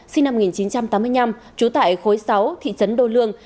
sinh năm một nghìn chín trăm tám mươi năm trú tại khối sáu thị trấn đô lương